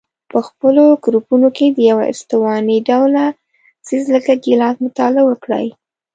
په خپلو ګروپونو کې د یوه استواني ډوله څیز لکه ګیلاس مطالعه وکړئ.